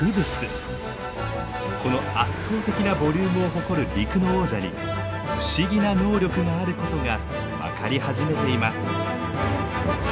この圧倒的なボリュームを誇る陸の王者に不思議な能力があることが分かり始めています。